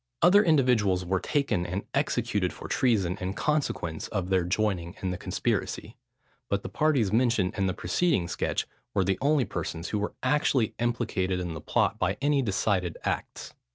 Other individuals were taken and executed for treason, in consequence of their joining in the conspiracy; but the parties mentioned in the preceding sketch were the only persons, who were actually implicated in the plot by any decided acts.